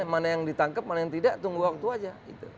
mana yang ditangkap mana yang tidak tunggu waktu saja